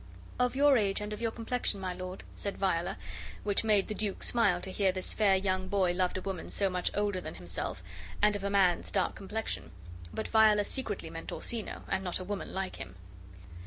"Of your age and of your complexion, my lord," said Viola; which made the duke smile to hear this fair young boy loved a woman so much older than himself and of a man's dark complexion; but Viola secretly meant Orsino, and not a woman like him.